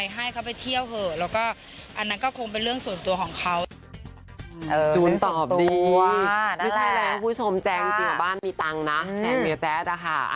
และเหนือแจ๊ด